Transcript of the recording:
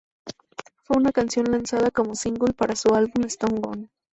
Fue una canción lanzada como single para su álbum "Stone Gon'".